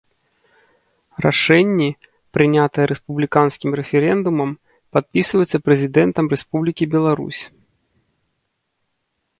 Рашэнні, прынятыя рэспубліканскім рэферэндумам, падпісваюцца Прэзідэнтам Рэспублікі Беларусь.